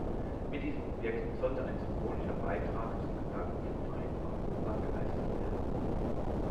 Mit diesem Objekt sollte ein symbolischer Betrag zum Gedanken vom vereinten Europa geleistet werden.